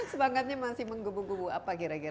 semangatnya masih menggebu gebu apa kira kira